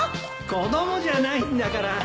子供じゃないんだから。